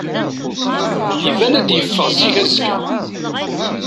Iban ad iffeɣ zik azekka.